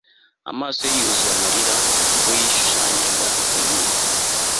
amaso ye yuzuye amarira ubwo yishushanyaga wenyine